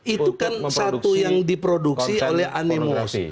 itu kan satu yang diproduksi oleh animo